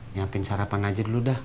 nyiapin sarapan aja dulu dah